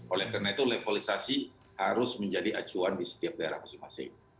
oleh karena itu levelisasi harus menjadi acuan di setiap daerah masing masing